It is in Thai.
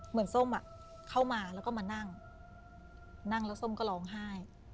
ส้มเข้ามาแล้วก็มานั่งนั่งแล้วส้มก็ร้องไห้